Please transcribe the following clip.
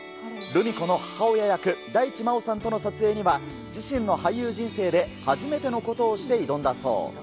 ルミ子の母親役、大地真央さんとの撮影には、自身の俳優人生で初めてのことをして挑んだそう。